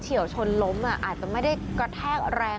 เฉียวชนล้มอาจจะไม่ได้กระแทกแรง